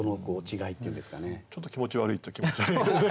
ちょっと気持ち悪いっちゃ気持ち悪い。